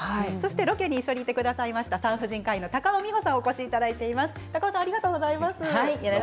ロケに一緒に行ってくださいました産婦人科医の高尾美穂さんにお越しいただいています。